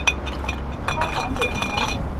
开皇九年。